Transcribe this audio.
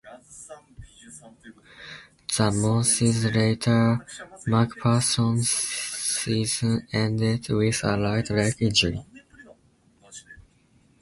Two months later McPherson's season ended with a right leg injury.